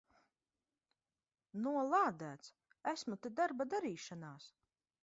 Nolādēts! Esmu te darba darīšanās!